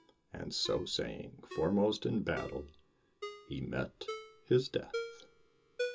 And so saying, foremost in the battle, he met his death.